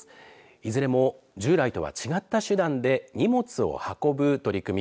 いずれも従来とは違った手段で荷物を運ぶ取り組み。